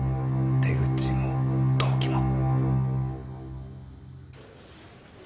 手口も動機も。